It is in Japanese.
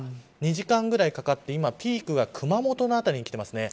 ２時間ぐらいかかって今ピークが熊本の辺りにきています。